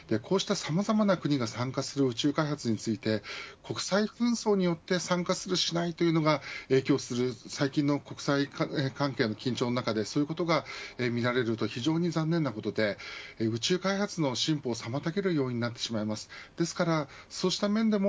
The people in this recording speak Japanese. こうした、さまざまな国が参加する宇宙開発について国際紛争によって参加するしないというのが影響する最近の国際関係の緊張の中でそういうことが見られると非常に残念なことで宇宙開拓の進歩を妨げるようになってしまいます。